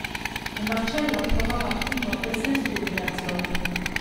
E Marcello provava appunto quel senso di liberazione.